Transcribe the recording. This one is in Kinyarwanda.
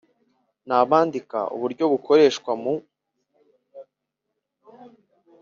n ababandika uburyo bukoreshwa mu